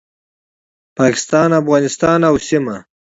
پاکستان، افغانستان او سیمه